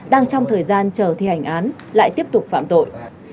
đang trong thời gian chờ thi hành án lại tiếp tục phạm tội